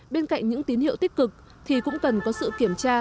bên cạnh những tín hiệu tích cực thì cũng cần có sự kiểm tra